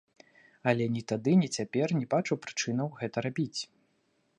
Але ні тады, ні цяпер не бачу прычынаў гэта рабіць.